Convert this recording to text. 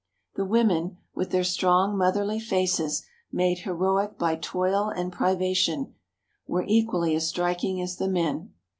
The women, with their strong, motherly faces made heroic by toil and privation, were equally as striking as the men.